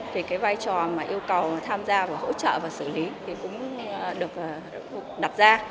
thì cái vai trò mà yêu cầu tham gia và hỗ trợ và xử lý thì cũng được đặt ra